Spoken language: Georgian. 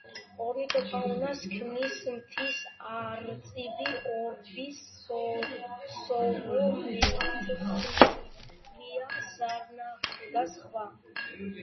ორნითოფაუნას ქმნის მთის არწივი, ორბი, სოღო, მეთხილია, ზარნაშო და სხვა.